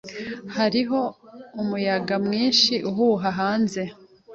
Hariho umuyaga mwinshi uhuha hanze.